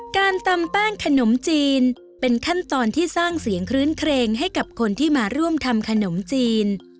การตำแป้งขนมจีนเป็นขั้นตอนที่สร้างเสียงคลื้นเครงให้กับคนที่มาร่วมทำขนมจีน